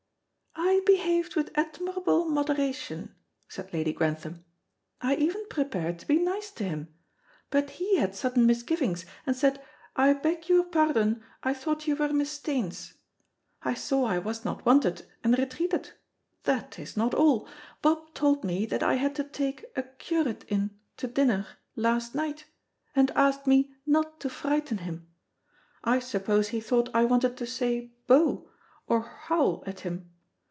"I behaved with admirable moderation," said Lady Grantham. "I even prepared to be nice to him. But he had sudden misgivings, and said, 'I beg your pardon, I thought you were Miss Staines.' I saw I was not wanted, and retreated. That is not all. Bob told me that I had to take a curate in to dinner last night, and asked me not to frighten him. I suppose he thought I wanted to say 'Bo,' or howl at him.